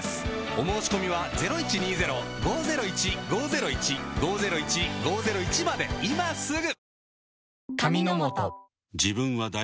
お申込みは今すぐ！